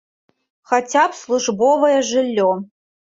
Хаця б службовае жыллё.